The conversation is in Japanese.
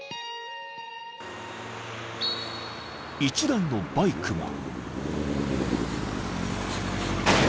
［１台のバイクが］